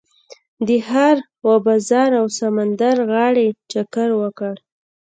د ښار و بازار او سمندر غاړې چکر وکړ.